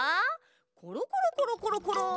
ころころころころころ。